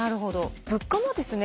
物価もですね